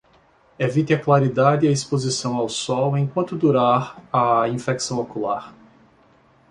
Evite a claridade e a exposição ao sol enquanto durar a infecção ocular